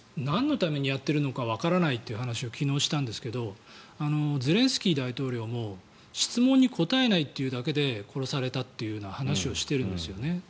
なんのためにやってるのかわからないという話を昨日したんですがゼレンスキー大統領も質問に答えないというだけで殺されたという話をしているんですよね。